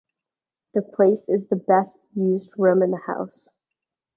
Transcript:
The place is the best-used room in the house.